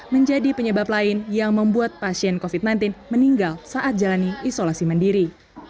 menjadi penyebab lain yang membuat pasien covid sembilan belas meninggal saat jalani isolasi mandiri